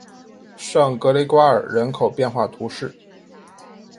圣格雷瓜尔人口变化图示